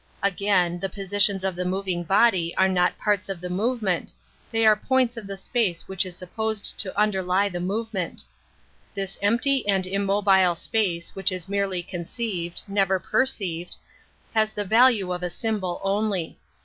Again, the positions of the moving body are not parts of the move ment; they are points of the space which is supposed to underlie the movement. This empty and immobile space which is merely conceived, never perceived, has the value of a symbol only.